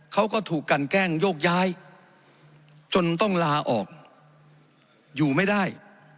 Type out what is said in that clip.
เขาก็ถูกกันแกล้งโยกย้ายจนต้องลาออกอยู่ไม่ได้